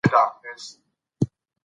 مسواک وهل د هر مسلمان لپاره ښه عمل دی.